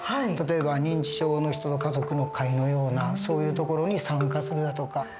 例えば認知症の人の家族の会のようなそういう所に参加するだとか。